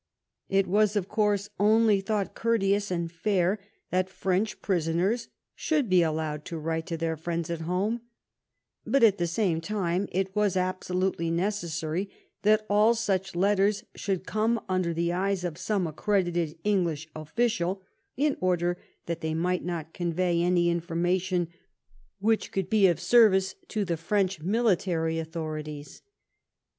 It was, of course, only thought courteous and fair that French prisoners should be allowed to write to their friends at home, but at the same time it was absolutely necessary that all such letters should come under the eyes of some accredited English official in order that they might not convey any information which could be of service to the French military au thorities.